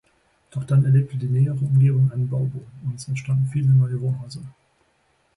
Doch dann erlebte die nähere Umgebung einen Bauboom und es entstanden viele neue Wohnhäuser.